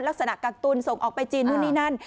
กักตุลส่งออกไปจีนนู่นนี่นั่น